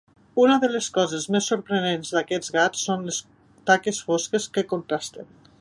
Una de les coses més sorprenents d'aquests gats són les taques fosques que contrasten.